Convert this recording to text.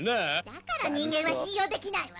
「だから人間は信用できないわ」